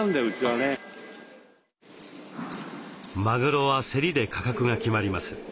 マグロは競りで価格が決まります。